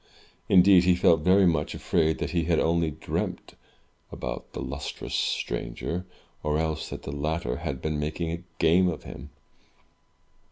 Indeed, he felt very much afraid that he had only dreamed about the lustrous stranger, or else that the latter had been making game of him.